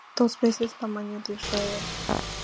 Tiene dos veces el tamaño de Israel.